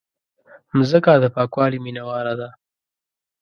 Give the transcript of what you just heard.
مځکه د پاکوالي مینواله ده.